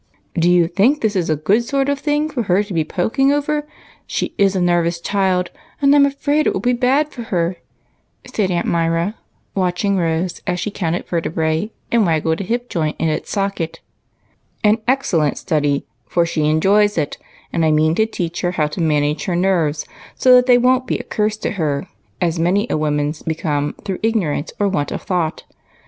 " Do you think that is a good sort of thing for her to be poking over ? She is a nervous child, and I 'm afraid it will be bad for her," said Aunt Myra, watch ing Rose as she counted vertebrae, and waggled a hip joint in its socket with an inquiring expression. "An excellent study, for she enjoys it, and I mean to teach her how to manage her nerves so that they won't be a curse to her, as many a woman's become through ignorance or want of thought.